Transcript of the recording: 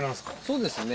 そうですね。